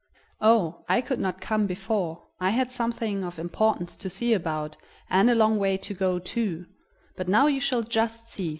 "Oh! I could not come before; I had something of importance to see about, and a long way to go, too; but now you shall just see!"